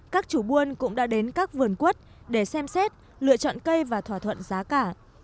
các chủ buôn cũng đã đến các vườn quất để xem xét lựa chọn cây và thỏa thuận giá cả